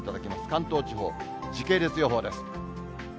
関東地方、時系列予報です。